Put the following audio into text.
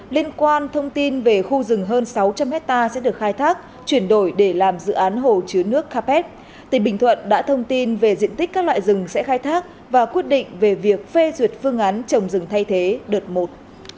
liên quan thông tin về khu rừng hơn sáu trăm linh hectare sẽ được khai thác chuyển đổi để làm dự án hồ chứa nước carpet tỉnh bình thuận đã thông tin về diện tích các loại rừng sẽ khai thác và quyết định về việc phê duyệt phương án trồng rừng thay thế đợt một